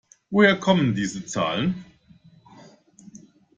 Woher kommen diese Zahlen?